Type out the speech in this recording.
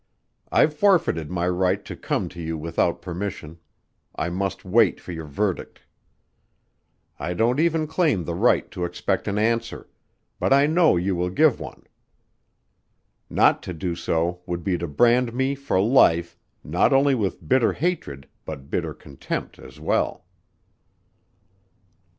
I've forfeited my right to come to you without permission. I must wait for your verdict. I don't even claim the right to expect an answer but I know you will give one. Not to do so would be to brand me, for life, not only with bitter hatred but bitter contempt as well."